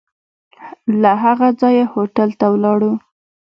له هغه ځایه هوټل ته ولاړو.